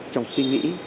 trong suy nghĩ